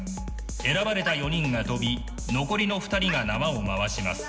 選ばれた４人が跳び残りの２人が縄を回します。